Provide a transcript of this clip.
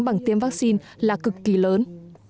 bằng tiêm vaccine là cực kỳ lớn